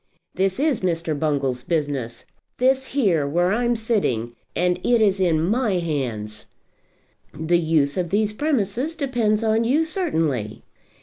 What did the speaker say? "This is Mr. Bungall's business; this here, where I'm sitting, and it is in my hands." "The use of these premises depends on you certainly."